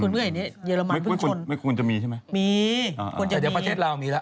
ไม่เรายุ่ง๖๐อันตรายมี